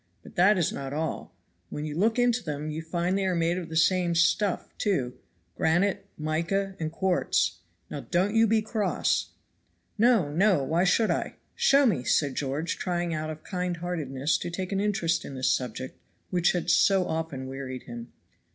But that is not all; when you look into them you find they are made of the same stuff, too granite, mica and quartz. Now don't you be cross." "No! no! why should I? Show me," said George, trying out of kindheartedness to take an interest in this subject, which had so often wearied him.